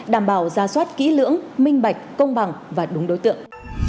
đảm bảo ra soát kỹ lưỡng minh bạch công bằng và đúng đối tượng